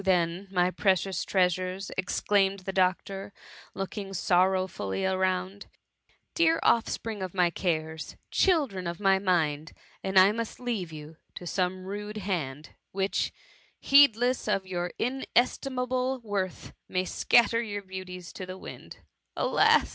then, my precious trea sures!" exclaimed the doctor, looking sorrow fully around :" Dear oflFspring of my cares I children of my mind ! and must I leave you to some rude hand, which, heedless of your in estimable worth, may scatter your beauties to the winds ? Alas